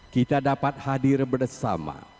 kita dapat hadir bersama